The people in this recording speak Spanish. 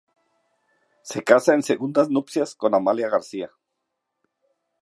Se casa en segundas nupcias con Amalia García.